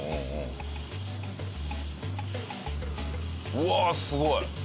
うわあすごい！